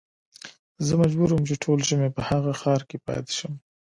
زه مجبور وم چې ټول ژمی په هغه ښار کې پاته شم.